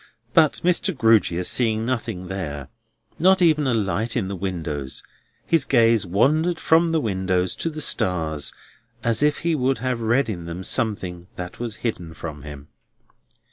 But Mr. Grewgious seeing nothing there, not even a light in the windows, his gaze wandered from the windows to the stars, as if he would have read in them something that was hidden from him.